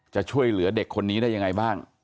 จะช่วยเหลือเด็กคนนี้ได้ยังไงบ้าง